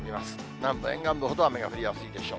南部沿岸部ほど雨が降りやすいでしょう。